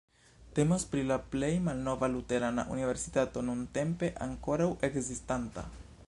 Temas pri la plej malnova luterana universitato nuntempe ankoraŭ ekzistanta.